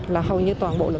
là hầu như